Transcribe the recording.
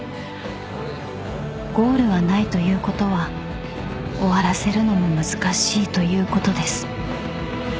［ゴールはないということは終わらせるのも難しいということです］